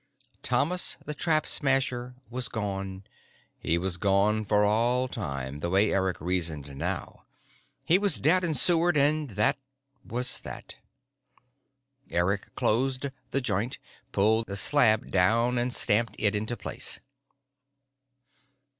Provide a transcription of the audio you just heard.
Thomas the Trap Smasher was gone, he was gone for all time, the way Eric reasoned now. He was dead and sewered, and that was that. Eric closed the joint, pulled the slab down and stamped it into place.